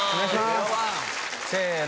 せの！